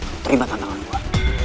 lo terima tantangan gue